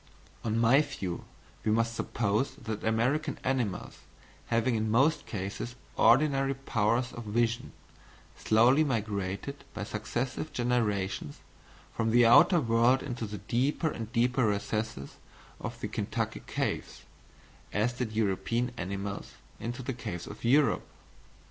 On my view we must suppose that American animals, having in most cases ordinary powers of vision, slowly migrated by successive generations from the outer world into the deeper and deeper recesses of the Kentucky caves, as did European animals into the caves of Europe.